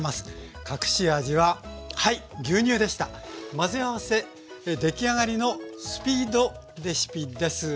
混ぜ合わせ出来上がりのスピードレシピです。